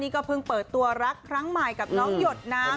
ก็เพิ่งเปิดตัวรักครั้งใหม่กับน้องหยดน้ำ